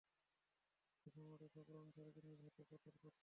এই সম্রাটের সকল অনুসারীকে নিজ হাতে কতল করুন!